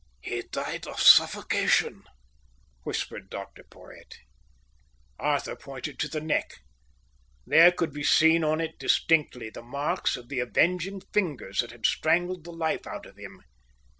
"He died of suffocation," whispered Dr Porhoët. Arthur pointed to the neck. There could be seen on it distinctly the marks of the avenging fingers that had strangled the life out of him.